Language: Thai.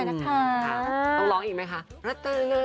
ต้องร้องอีกไหมคะรัตนา